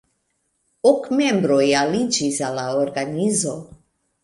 Ok membroj aliĝis al la organizo.